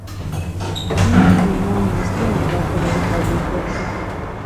މިއީ އިމާމު މުސްލިމު ރިވާކުރެއްވި ޙަދީޘެއް